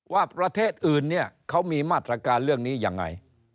ว่าประเทศอื่นเนี่ยเขามีมาตรการเรื่องนี้ยังไง